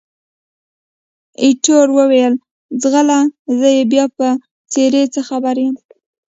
ایټور وویل، ځغله! زه یې بیا په څېرې څه خبر یم؟